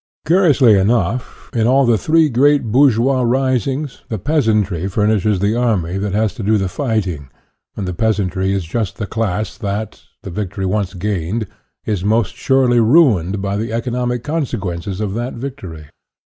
Curiously enough, in all the three great bour geois risings, the peasantry furnishes the army that has to do the fighting; and the peasantry is just the class that, the victory once gained, is most surely ruined by the economic consequences of that victory.